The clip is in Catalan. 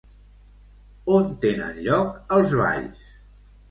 On tenen lloc els balls?